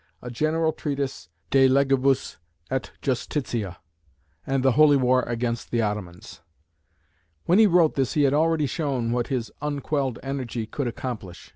a general treatise de Legibus et Justitia; and the "Holy War" against the Ottomans. When he wrote this he had already shown what his unquelled energy could accomplish.